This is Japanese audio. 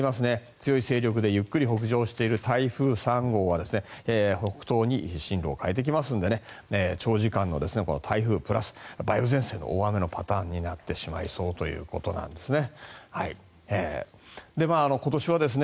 強い勢力でゆっくり北上している台風３号は北東に進路を変えてきますので長時間の台風プラス梅雨前線の大雨のパターンになってしまいそうということなんですね。